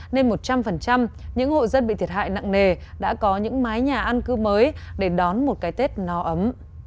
nên một trăm linh những hộ dân bị thiệt hại nặng nề đã có những mái nhà ăn cư mới để đón một cái tết no ấm